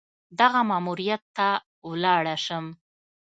دغه ماموریت ته ولاړه شم.